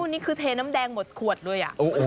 นี่คือเทน้ำแดงหมดขวดด้วย